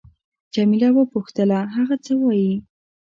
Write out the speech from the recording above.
جميله وپوښتل: هغه څه وایي؟